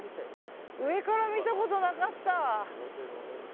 上から見たことなかった。